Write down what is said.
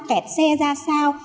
kẹt xe ra sao